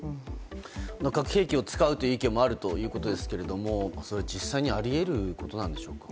核兵器を使うという意見もあるということですが実際にあり得ることなんでしょうか。